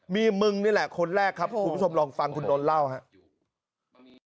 มีมึงนี่แหละคนแรกครับคุณผู้ชมลองฟังคุณนนท์เล่าครับ